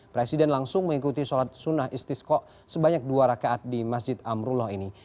presiden langsung mengikuti sholat sunnah istiskok sebanyak dua rakaat di masjid amrullah ini